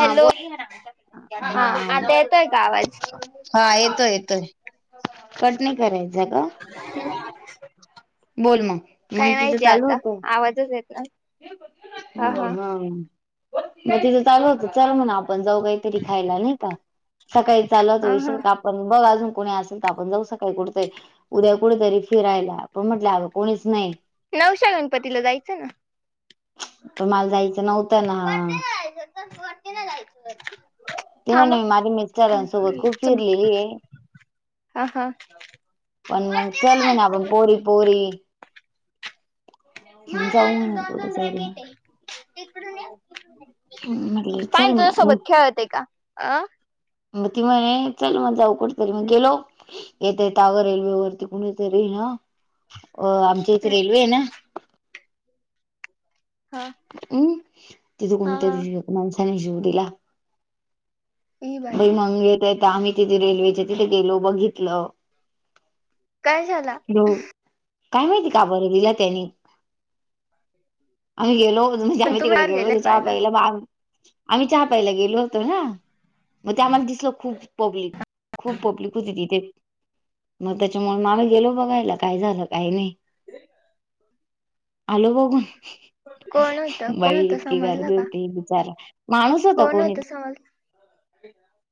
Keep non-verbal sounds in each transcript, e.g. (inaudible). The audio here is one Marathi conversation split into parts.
हा बोल,, हा, आता येतोय का आवाज? हा येतोय, येतोय. कट णै करायच का? ह, बोल मग, मग तिथं चालू होत. आवाजच येत नाही ह हा म, चालू होत, चल म्हणु आपण जाऊ काहीतरी खायला नाही का,, सकाळी चालला होता हा हा विषयऽ पण बघ अजून कोुणी असेल तर आपण जाऊ सकाळी, कुठतंय उद्या, कुठेेतरी फिरायलाऽ पण म्हटलंल अगं कोणीच नाही. नवशा गणपतीला जायचं ना. पण मला जायचं नव्हतं ना वरतीला जायच तर वरतीला जायचं तेव्हा नाही माझ्या मिस्टरान सोबत खुप फिरलेली आहे हा हा पण मग वरती चल नाही मग आपण जायचं पोरी पोरी मला जाऊ म्हणे दोन दोन कुठेतरी रॅकेट आहे इकडून ये म्हटलं चल पाणी तुझ्या मग सोबत खेळत आहे का? अं,, मग त म्हणे, चल मग जाऊ कुठतरी,, मग गेलोऽ येत य त्यावर, अगं रेल्वे वरती कुणीतरी नाऽ अ, आमच्या इथे रेल्वे आहे ना,, हा, हम्म,, तिथं हा हा कोणतरी माणसाने जीव दिला,, ही बाई बई मग येत येत आम्ही तिथे रेल्वेच्या तिथे गेलो, बघितलं, काय झाला? हो,, काय माहिती का बर दिला त्यानी? आम्ही गेलो होत, म्हणजे पण आमी तुम्ही तिकडे बाहेर गेले गेलो चहा पाहायला पाईला बागऽ आम्ही चहापाईला गेलो होतो ना,, मग ते आम्हाला दिसल खूप पब्लिकऽ खूप पप्लिक होती तिथे, मग त्याच्यामुळे मला गेलोऽ बघायला काय झालं काही नाही, आलो बघून. कोण होत कोण बाई होत इतकी समजलं गर्दी का? होती,, बिचारा माणूस होता कोण होतं कोणीऽ समज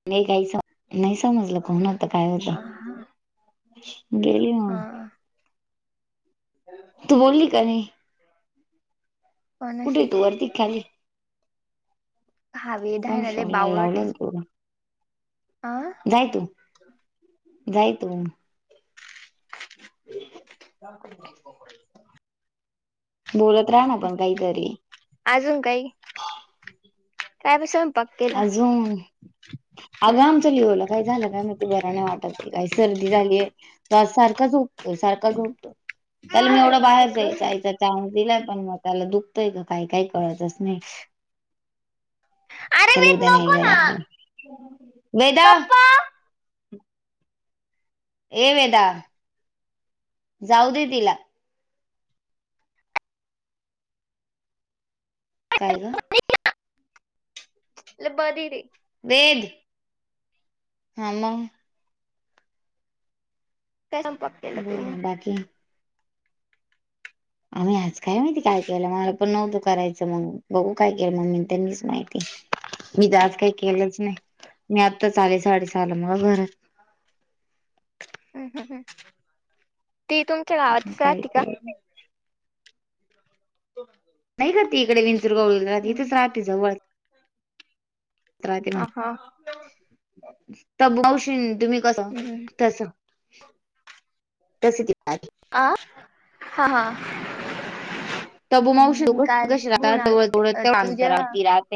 नाही काही? नाही समजलं कोण होता, काय होत, हा गेली मऽ हा तू बोलली का नै? कुठे ये कोणाशी तू? वरती का खाली. हवे पण धायणाले सोडला लावलंच गलाऽ आ, जाय तू, जाय तू. ह, प, बोलत राहा ना पण काहीतरी,, अजून काही? काय बि सौयपा अजून. आग आमच लिवूला काही झालं काय माहित, ते बरा नाही वाटत की काही सर्दी झालीयऽ तो आज सारखा झोपतोय, सारखा झोपतो, त्याला मी एवढा बाहेर जाय आयता चान्स दिलाय, पण मग त्याला दुखतंय का काही काही कळतच नाही. अरे त्याला वेट उद्या नाही नको ग ना दाखवत,, वेदाऽ पप्पा ये वेदा, जाऊ दे तिला,, काय का बदरी वेद ह म काय संप बोलण बाकी आम्ही आज काय माहिती काय केलं ममला पण नव्हतं करायचं मग बघू काय केलं मम्मी त्यांनीच माहिती मी तर आज काही केलंच नाही मी आत्ता चाले साडेस आलं मग घरात हम् हम् हम् ती तुमच्या गावातच काय राहती का ते हो नाही कर त इकडे विंचुरगावह इथेच राहते जवळ म्ह हा हा त बवशी तुम्ही कस तस तस त आ हां हां तब्बू मावशी हम्,, कशी काल, कशी राहतात होणा जवळ जवळ तेवढं तू अंतरावर जेव्हा. ती राहते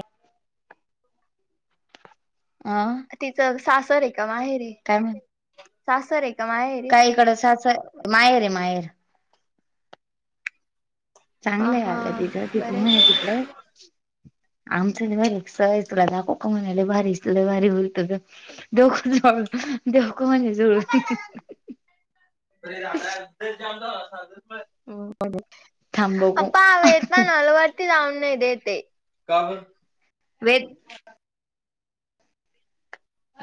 आं, तिचं सासर आहे का माहेरी? काय म्हण? शासरे काहीकड साच माहेर आहे माहेर हा चांगलंय आहे काग हा तिच तिथे बरं म्हण आहे. तिकडे आमचा बारी स तता कोक म्हहिले भारी भारी हो देव ख देवक म नि जर त रा जा हो संभ मा न अलवढती जावना इद ते वे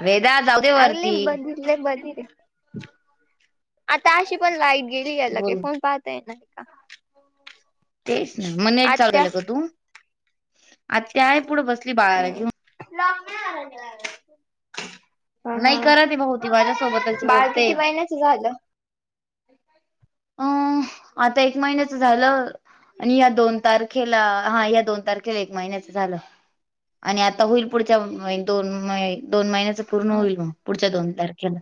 वेदा जाऊ दे अगले वरती बघितले बघले आता अशी पण लाई गेली गेला की बोल फोन पाहतय ना का तेच ना मग नेट चालू आत्या केलं का तू आ त्याय पुढे बसली बाळाला घेऊन लग् नाही आला ह नाही करा ते भाऊ ह ती माझ्यासोबतच बाळ बोलते किती महिन्याच झालं अ आता एक महिन्याच झालं आणि या दोन तारखेला हा या दोन तारखेला एक महिन्याचं झालं आणि आता होईल पुढच्या दोन दोन महिन्याचं पूर्ण होईल मग पुढच्या दोन तारखेला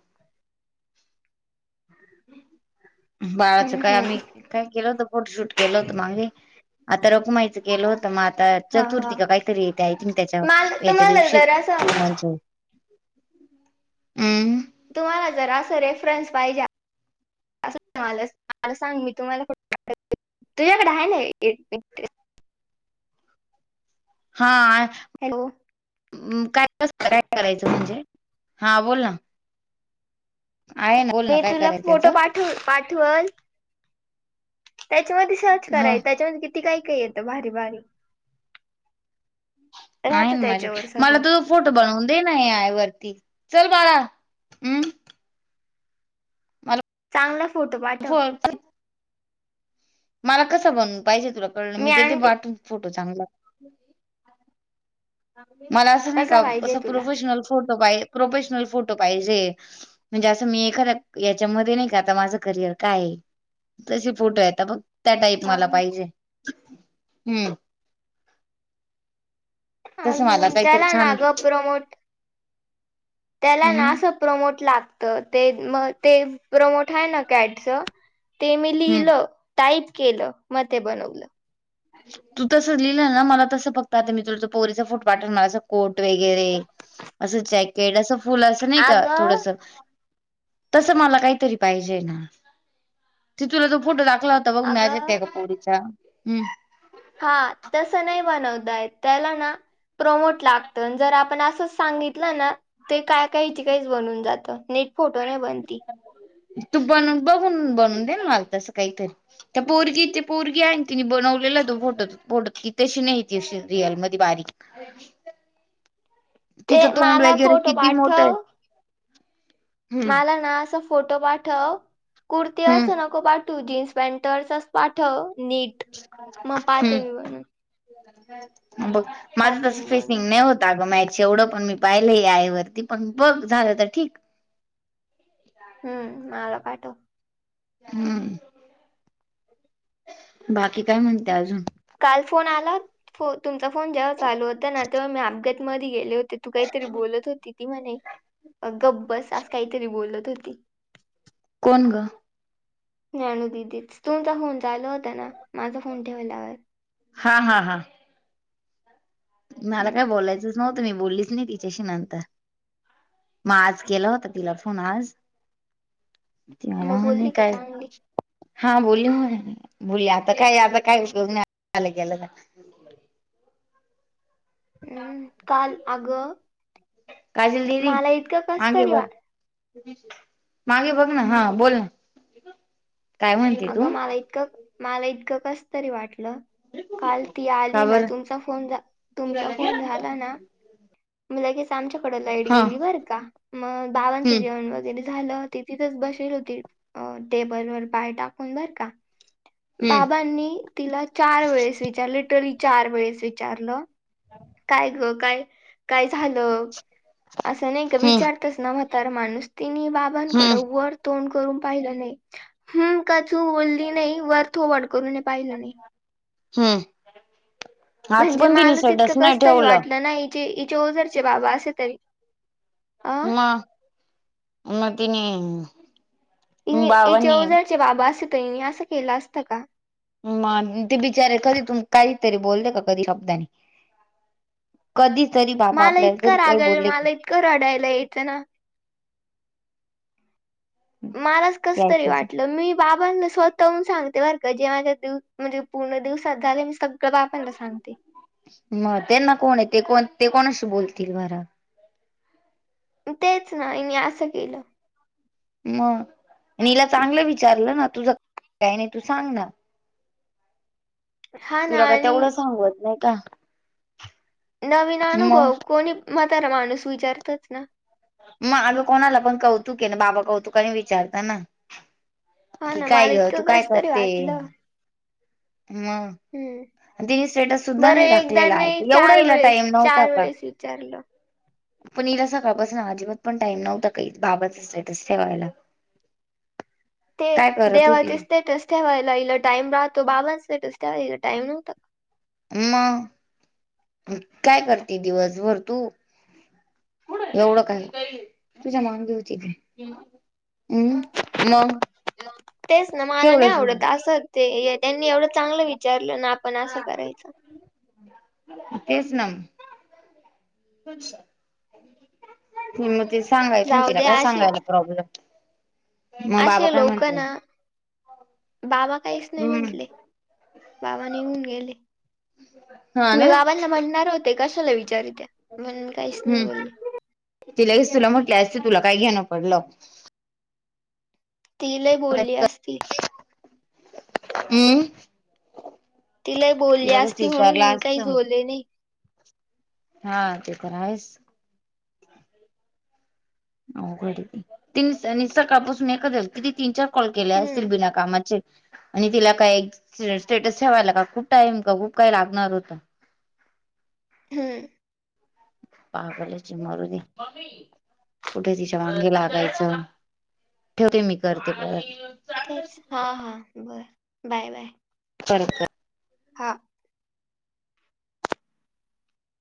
बाळाचं हम्म काय आम्ही हम्म काय केलं होत फोटोशूट केलं होतं मागे आता रकुमायचं केलं होतं मग आता हा हा चतुर्थी का काहीतरी येते आहे तुम्ही मला त्याच्यावर याच्या्या तुम्हाला दिवशी जरा टू असं म्ह हम्म तुम्हाला जर असं रेफरन्स पाहिजे अस म मला सांग मी तुम्हाला तुझ्याकडे आहे ना एक मि हा हॅलो काय काय करायचं म्हणजे हा बोल ना आहे ना बोल ना मी काय तुला करायचं फोटो त्याच पाठव पाठवल त्याच्यामध्ये सर्च ह कराय त्याच्यामध्ये किती ती काही काही येतं भारी भारी. आहे राहतं ना माझ्या त्याच्यावर मला सगळं तु (unintelligible) फोटो बनव दे ना, ऐ आय वरती चल बाळा अम्म. चांगला फोटो पाठव. मला कसं बनवून पाहिजे तुला कळल मी देते पाठवून फोटो चांगला. मला असं नाही कसा का पाहिजे असं तुला प्रोफेशनल फोटो पाय प्रोफेशनल फोटो पाहिजे हे. म्हणजे असं मी एखाद्या याच्यामध्ये नाही का आता माझं करिअर काय हे. तशे फोटो यता बघ त्या टाईप हा मला हा पाहिजे हम्म. तसं मला अजून काहीतरी त्याला छान नाग प्रमोट त्याला ना, हम्म असं प्रमोट लागत ते म ते प्रमोट आहे ना कॅटच. ते मी हम्म लिहिलं टाईप केलं म ते बनवलं. अ (inaudible) तू तसं लिहिलं ना मला तसं फक्त आता मी तुल पोरीचा फूट वाटल मला अस कोट वगैरे, असं जॅकेट असं फुल असं नाही का अगं थोडस. तसं मला काहीतरी पाहिजे हे ना, ते तुला तो फोटो टाकला होत. अता बघु मॅजहेत अगं का पोरीचा हम्म. हा तसं नाही बनवतायत त्याला ना. प्रमोट लागत जर आपण असं सांगितलं ना. ते काय काहीची काहीच बनून जातं नेट फोटो नाही बनती. तू बनून बघून बनून देन मल तसं काहीतरी. त्या पोरगी ते पोरगी आहे तिने बनवलेला तो फोटो फोटो त तशी नाहीती रियलमध्ये बारीक. अ (inaudible) ते मला वगैरे फोटो किती मोठं आहे. पाठव हम्म मला ना आसं. फोटो पाठ कुर्ती हम्म अस नको पाठवु जीन्स पॅन्टवर चा स पाठव नीट म पाहते मी बणून. (inaudible) म बघ माझं पाहते तस मी फिसिंग बनवून नाही होत अग मॅच चेवढं पण मी पाहिलं ए आय वरती पण बघ झालं तर ठीक. हम्म माला पाठव. हम्म बाकी काय म्हणते आजून? काल फोन आला होत फो तुमचा फोन जेव्हा चालू होता ना तेव्हा मी आपगेट मध्ये गेले होती. तू काहीतरी बोलत होती ती म्हणे अग ब्बस आस काहीतरी बोलत होती. कोण ग? मी आणी दिदीच तुमचा फोन चाल होता ना माझा फोन ठेवल्यावर. हा हा हा. मला हम्म. काय बोलायचंच नव्हतं मी बोलीच नाही तिच्याशी नंतर. मग आज केला होता तिला फोन आज तला मग (unintelligible) म्ह बोलली का काय. चांगली हा बोलली म्हणे मी बोलली आता काय आता काय उयोग नाहील गेलं. (unintelligible) हम्म काल आगं काजल दिदी मला इतकं मागे कसतरी बघ वाट मागे बघ ना, हा बोल ना, काय म्हणते तू? एक. मला इतकं कसतरी वाटलं. काल ती का आली ना, बर तुमचा फोन तुमचा फोन झाला ना. म लगेच आमच्याकड लाईट हा गेली बर का मग बाबांचं हम्म जेवण वगैरे झालं ती तिथच बसेल होती अ टेबल वर पाय टाकून बर का. हम्म बाबांनी तिला चार वेळेस विचार लिट्रली चार वेळेस विचारलं. ह (inaudible) काय ग काय, काय झालं असं नाही का हम्म विचार तेच ना म्हतार माणूस तिन बाबांकड हम्म वर तोंड करून पाहिलं नाही ह का चू बोलली नाही वर थोवड करूनय पाहिलं नाही (unintelligible) हम्म. आज म्हणजे पण तिने मालस स्टेटस इतकं नाही कस तरी ठेवलं वाटलं नाहीचे इचे ओजरचे बाबा असे तरी, अ म म तिने. इनेचे बाबांनी वजारचे बाबा अस त इने असं केलं असतं का? मग ते बिचारे कधी तु काहीतरी बोलते का कधी शब्दाने. कधी तरी बाबा आपल्याला तरी बोलले. डायला यायचं ना. मलाच कस तरी का? वाटलं मी. बाबांना स्वतःहून सांगते बर का जे माझ्या म्हणजे पूर्ण दिवसात झाले मी सगळं बाबांना सांगते. मग त्यांना कोण आहे ते कोण ते कोणाशी बोलतील बर. तेच ना मी असं केलं. मग नला चांगलं विचारलं ना तुझं काय नाही तू सांग ना. हा ना तुला का आणि तेवढं सांगत नाही का. नवीन मग अनुभव कोणी मातारा माणूस विचारतच ना. मग मागं कोणाला पण कौतुक आहे ना बाबा कौतुक आणि विचारता ना. हा कि ना काय मला ग तू इतकं काय कसं तरी करते वाटलं मग. हम्म. तिने स्टेटस सुद्धा बरं नाही एकदा टाकलेला नाही आहेता एवढा चार हिला वेळेस टाईम नव्हता चार का. वेळेस विचारलं. पण हिला सग का बस ना अजिबात पण टईम नव्हता काही बाबाचा स्टेटस ठेवायला. (inaudible) ते करत होती देवाचे स्टेटस ठेवायला इला टाईम राहतो बाबां स्टेटस ठेवायला टाईम नव्हत. मग.. काय करते दिवसभर तू? एवढं काय तुझ्या मागी होती हम् मग. तेच ना मला नाही ठेवलंस आवडत असं ते त्यांनी एवढं चांगलं विचारलं ना आपण असं करायचं. तेच ना. मग ते सांगायचं ना जाऊ तिला दे काय असे सांगायला प्रॉब्लेम. मग बाबा असे काय लोक म्हंटलं ना बाबा काहीच नाही हम्म म्हंटले. बाबाां निघन गेले हा ना मी बाबांना म्हणणार होते कशाला विचारित. मण काहीच नाही हम्म बोलली. ति लगेच तुला म्हटलं अस तुला काय घेणं पडलं. ती लय बोलली असती. ह. तिला बोलली लगेच असती म्हणून विचारला मी असत काही झोले नाही. हा ते तर आहेस. अ घरी तीन सकाळपासून एक क तिी तीन चार कॉल केले हम्म असतील बिना कामाचे. आणि तिला काय ए स्टेटस ठेवायला का खूप टाइम का खूप काय लागणार होतं. हम. पागल चे मरुदे कुठे तिच्या वांगी लागायचं. ठेवते मी करते पर तेच हा हा बर बाय बाय. परत कर हा.